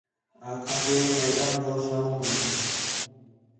آکھان٘دے میڈم ہو شامو ہے